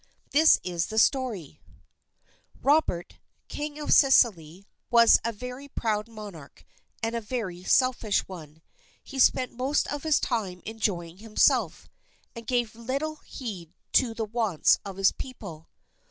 This is the story: Robert, King of Sicily, was a very proud monarch and a very selfish one. He spent most of his time enjoying himself, and gave little heed to the wants of his people.